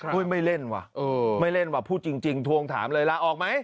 ไม่เล่นว่ะไม่เล่นว่ะพูดจริงทวงถามเลยลาออกไหม